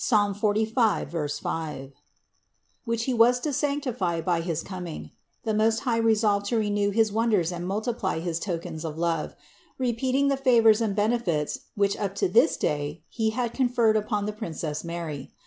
45, 5), which He was to sanctify by his coming, the Most High resolved to renew his wonders and multiply his tokens of love, re peating the favors and benefits which up to this day He had conferred upon the Princess Mary.